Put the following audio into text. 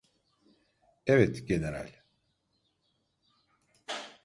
Evet, General.